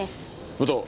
武藤。